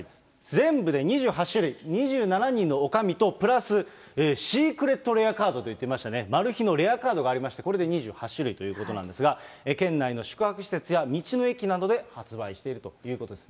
全部で２８種類、２７人のおかみと、プラスシークレットレアカードといってましたね、マル秘のレアカードがありまして、これで２８種類ということなんですが、県内の宿泊施設や道の駅などで発売しているということです。